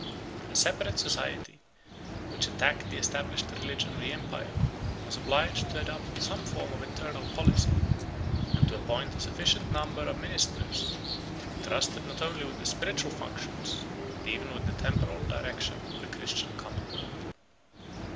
A separate society, which attacked the established religion of the empire, was obliged to adopt some form of internal policy, and to appoint a sufficient number of ministers, intrusted not only with the spiritual functions, but even with the temporal direction of the Christian commonwealth.